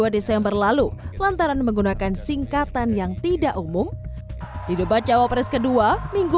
dua desember lalu lantaran menggunakan singkatan yang tidak umum di debat cawapres kedua minggu